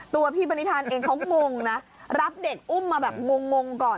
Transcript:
ตัวพี่ปณิธานเองเขางงนะรับเด็กอุ้มมาแบบงงก่อน